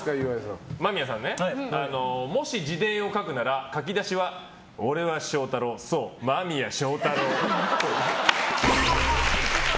間宮さん、もし自伝を書くなら書き出しは俺は祥太朗そう、間宮祥太朗。